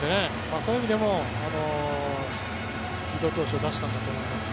そういう意味でも伊藤投手を出したんだと思います。